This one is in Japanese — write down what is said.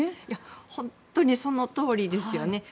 本当にそのとおりですよね。